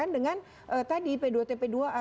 dengan tadi p dua t p dua a